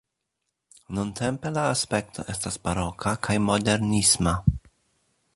Nuntempe la aspekto estas baroka kaj modernisma.